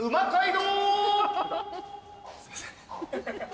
すいません。